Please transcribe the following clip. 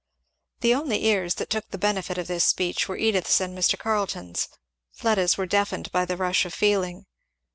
The only ears that took the benefit of this speech were Edith's and Mr. Carleton's; Fleda's were deafened by the rush of feeling.